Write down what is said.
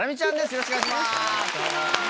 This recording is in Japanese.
よろしくお願いします。